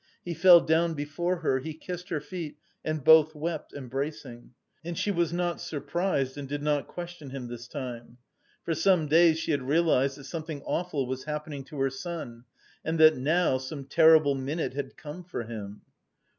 He fell down before her, he kissed her feet and both wept, embracing. And she was not surprised and did not question him this time. For some days she had realised that something awful was happening to her son and that now some terrible minute had come for him.